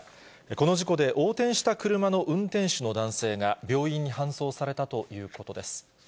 この事故で横転した車の運転手の男性が病院に搬送されたということです。